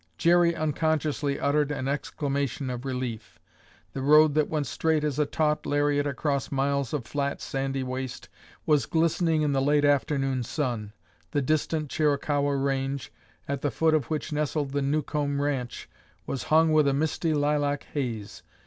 Jerry unconsciously uttered an exclamation of relief. The road that went straight as a taut lariat across miles of flat, sandy waste was glistening in the late afternoon sun. The distant Chiricahua range, at the foot of which nestled the Newcomb ranch, was hung with a misty lilac haze.